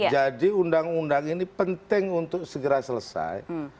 jadi undang undang ini penting untuk segera selesai